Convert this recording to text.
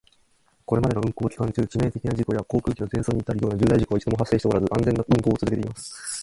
これまでの運航期間中、致命的な事故や航空機の全損に至るような重大事故は一度も発生しておらず、安全な運航を続けています。